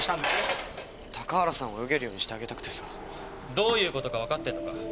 どういうことか分かってるのか？